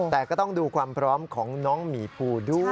แต่ก็ต้องดูความพร้อมของน้องหมีภูด้วย